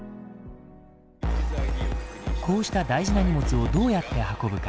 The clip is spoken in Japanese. こうした大事な荷物をどうやって運ぶか。